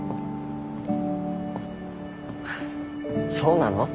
そうなの？